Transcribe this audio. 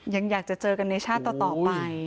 อยากจะเจอกันในชาติต่อไป